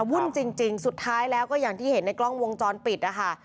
วุ่นจริงสุดท้ายแล้วก็อย่างที่เห็นในกล้องวงจรปิดนะคะ